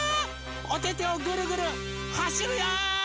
おててをぐるぐるはしるよ！